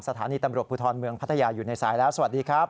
สถานีตำรวจภูทรเมืองพัทยาอยู่ในสายแล้วสวัสดีครับ